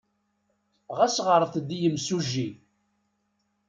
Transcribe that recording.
Ɣas ɣret-d i yemsujji.